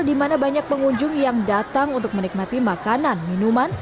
di mana banyak pengunjung yang datang untuk menikmati makanan minuman